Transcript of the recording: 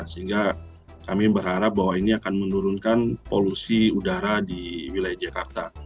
sehingga kami berharap bahwa ini akan menurunkan polusi udara di wilayah jakarta